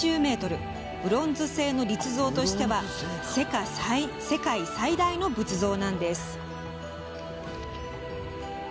ブロンズ製の立像としては世界最大の仏像なんです。